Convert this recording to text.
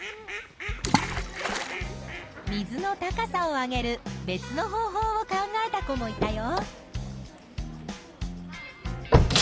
水の高さを上げる別の方法を考えた子もいたよ。